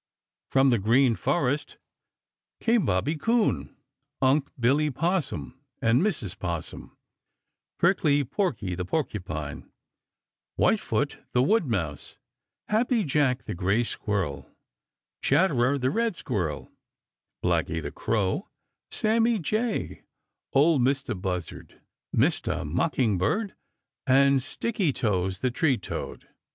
From the Green Forest came Bobby Coon, Unc' Billy Possum and Mrs. Possum, Prickly Porky the Porcupine, Whitefoot the Woodmouse, Happy Jack the Gray Squirrel, Chatterer the Red Squirrel, Blacky the Crow, Sammy Jay, Ol' Mistah Buzzard, Mistah Mockingbird, and Sticky toes the Treetoad.